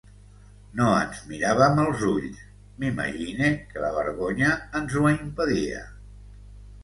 No ens miràvem als ulls; m'imagine que la vergonya ens ho impedia.